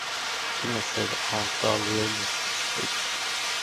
"Gimme," said Aunt Dahlia listlessly.